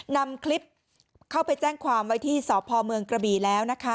นำคลิปเข้าไปแจ้งความไว้ที่สพเมืองกระบี่แล้วนะคะ